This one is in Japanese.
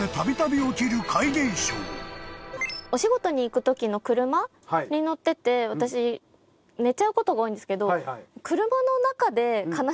お仕事に行くときの車に乗ってて私寝ちゃうことが多いんですけど。